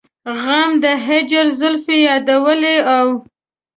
غم د هجر زلفې يادولې او